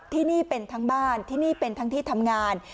ที่นี่เป็นทั้งบ้านที่นี่เป็นทั้งที่ทำงาน